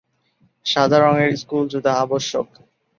সাদা রঙের স্কুল জুতা আবশ্যক।